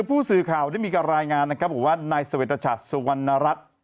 ผู้สื่อข่าวได้มีกับรายงานนะครับบอกว่านายสวรรค์รัชชาสวรรณรัฐ